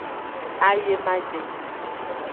Ayemaje.